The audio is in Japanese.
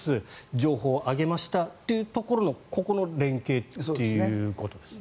情報上げましたっていうところのここの連携ということですね。